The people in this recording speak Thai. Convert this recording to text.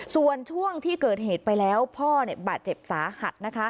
ส่วนช่วงที่เกิดเหตุไปแล้วพ่อบาดเจ็บสาหัส